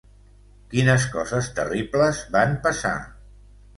Quines coses terribles van passar?